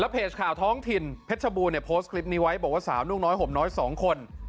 แล้วเพจข่าวท้องทินเพจชบูนเนี่ยโพสต์คลิปนี้ไว้บอกว่าสานุ้งน้อยห่มน้อยสองคน